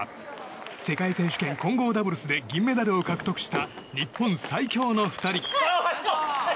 世界選手権混合ダブルスで銀メダルを獲得した日本最強の２人。